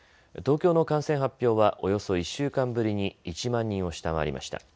東京の感染発表はおよそ１週間ぶりに１万人を下回りました。